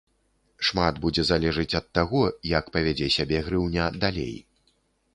Шмат будзе залежыць ад таго, як павядзе сябе грыўня далей.